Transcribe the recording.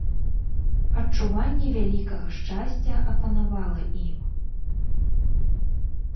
Адчуванне вялікага шчасця апанавала ім.